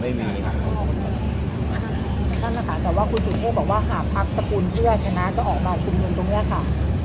ไม่มีค่ะค่ะแต่ว่าคุณถูกพูดบอกว่าหาพักสกุลเพื่อชนะก็ออกมาชุมลงตรงเนี้ยค่ะ